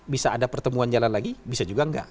bisa ada pertemuan jalan lagi bisa juga enggak